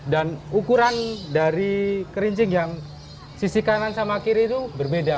ukuran dari kerincing yang sisi kanan sama kiri itu berbeda